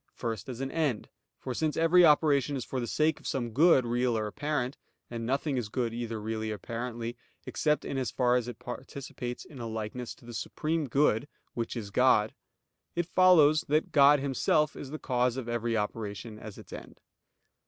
First as an end. For since every operation is for the sake of some good, real or apparent; and nothing is good either really or apparently, except in as far as it participates in a likeness to the Supreme Good, which is God; it follows that God Himself is the cause of every operation as its end.